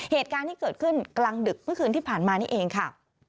เหตุการณ์ที่เกิดขึ้นกลางดึกเมื่อคืนที่ผ่านมานี่เองค่ะ